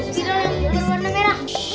piro yang berwarna merah